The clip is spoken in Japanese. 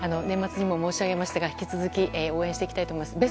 年末にも申し上げましたが引き続き、応援していきたいと思います。